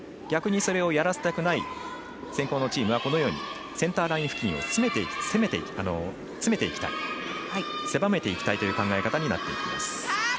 逆にそれをやらせたくない先攻のチームはセンターライン付近を詰めていきたい狭めていきたいという考え方になっています。